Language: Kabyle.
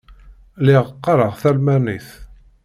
Lliɣ qqareɣ talmanit.